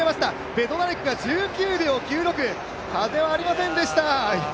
ベドナレクが１９秒９６、風はありませんでした。